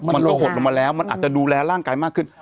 มันก็หดลงมาแล้วมันอาจจะดูแลร่างกายมากขึ้น